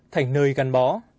thành nơi gắn bó